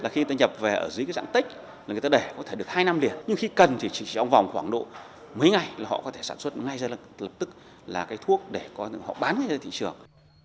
khi nhập về dưới dạng tích người ta để có thể được hai năm liền nhưng khi cần thì chỉ vòng khoảng mấy ngày là họ có thể sản xuất ngay ra lập tức là thuốc để họ bán ra thị trường